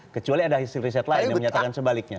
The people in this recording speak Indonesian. kecuali ada hasil riset lain yang menyatakan sebaliknya